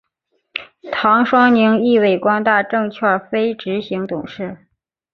唐双宁亦为光大证券非执行董事。